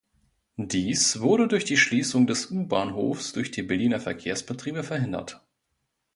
Dies wurde durch die Schließung des U-Bahnhofs durch die Berliner Verkehrsbetriebe verhindert.